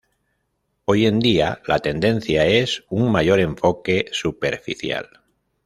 Hoy en día, la tendencia es un mayor enfoque superficial.